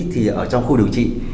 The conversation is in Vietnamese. thì ở trong khu điều trị